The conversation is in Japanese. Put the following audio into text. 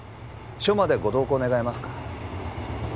署までご同行願えますか？